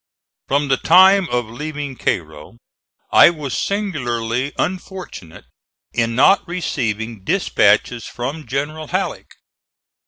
From the time of leaving Cairo I was singularly unfortunate in not receiving dispatches from General Halleck.